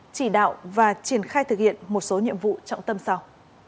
chỉ đạo và triển khai thực hiện một số nhiệm vụ trọng tâm sau